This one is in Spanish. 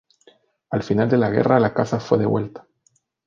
Al final de la guerra la casa fue devuelta.